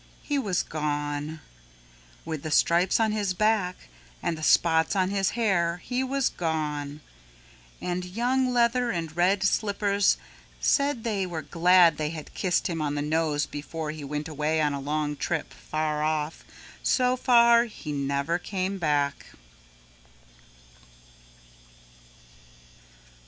He was gone. With the stripes on his back and the spots on his hair, he was gone. And Young Leather and Red Slippers said they were glad they had kissed him on the nose before he went away on a long trip far off, so far off he never came back.